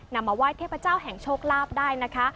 มาไหว้เทพเจ้าแห่งโชคลาภได้นะคะ